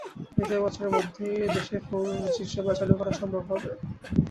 এতে এ বছরের মধ্যেই দেশে ফোরজি সেবা চালু করা সম্ভব হবে।